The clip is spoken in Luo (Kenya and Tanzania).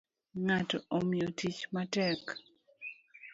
Ngato Omiya tich matek